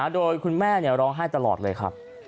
โดยคุณแม่ร้องไห้ตลอดเลยครับ